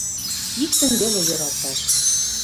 Иктым веле йӧралташ.